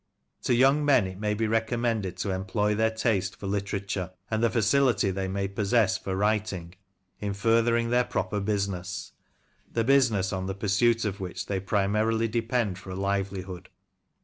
To young men it may be recommended to employ their taste for literature, and the facility they may possess for writing, in furthering their proper business— the business on the pursuit of which they primarily depend for a livelihood.